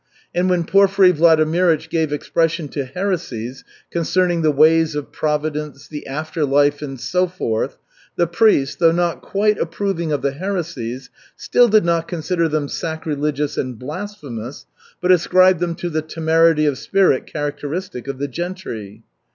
And when Porfiry Vladimirych gave expression to heresies concerning the ways of Providence, the after life, and so forth, the priest, though not quite approving of the heresies, still did not consider them sacrilegious and blasphemous, but ascribed them to the temerity of spirit characteristic of the gentry.